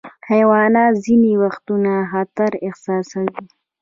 حیوانات ځینې وختونه خطر احساسوي.